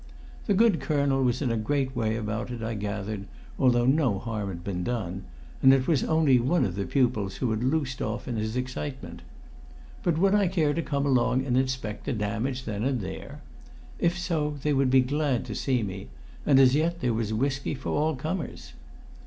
The good colonel was in a great way about it, I gathered, although no harm had been done, and it was only one of the pupils who had loosed off in his excitement. But would I care to come along and inspect the damage then and there? If so, they would be glad to see me, and as yet there was whisky for all comers.